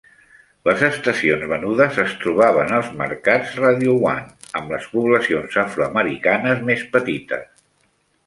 Les estacions venudes es trobaven als mercats Radio One amb les poblacions afroamericanes més petites.